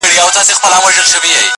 نور پخلا یو زموږ او ستاسي دي دوستي وي-